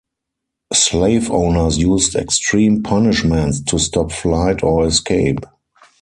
Slave owners used extreme punishments to stop flight, or escape.